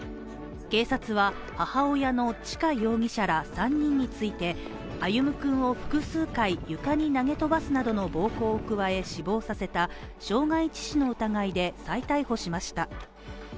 警察は母親の知香容疑者ら３人について歩夢君を複数回床に投げ飛ばすなどの暴行を加え、死亡させた傷害致死の疑いで再逮捕しました。